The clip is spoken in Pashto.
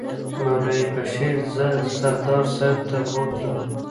مولوي بشیر زه سردار صاحب ته بوتلم.